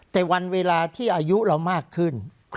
แต่วันเวลาที่อายุเรามากขึ้น